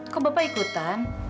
kok bapak ikutan